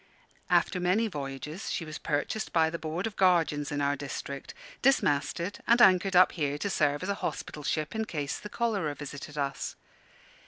After many voyages she was purchased by the Board of Guardians in our district, dismasted, and anchored up here to serve as a hospital ship in case the cholera visited us.